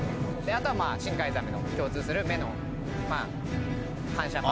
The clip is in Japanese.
あとは深海ザメの共通する目の反射板。